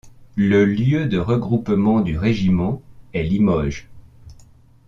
Le lieu de regroupement du régiment est Limoges.